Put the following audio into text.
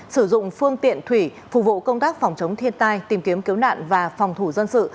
sử dụng phương tiện thủy phục vụ công tác phòng chống thiên tai tìm kiếm cứu nạn và phòng thủ dân sự